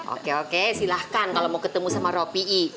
oke oke silahkan kalau mau ketemu sama ropi i